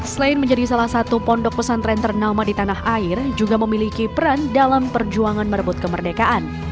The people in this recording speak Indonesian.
selain menjadi salah satu pondok pesantren ternama di tanah air juga memiliki peran dalam perjuangan merebut kemerdekaan